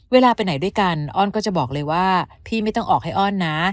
เวลาไปไหนด้วยกันอ้อนก็จะบอกเลยว่าพี่ไม่ต้องออกให้อ้อนนะ